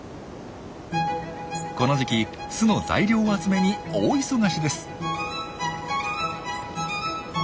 この時期巣の材料集めに大忙しです。